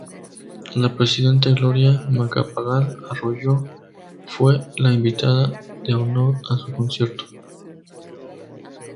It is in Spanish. La presidente Gloria Macapagal Arroyo, fue la invitada de honor a su concierto.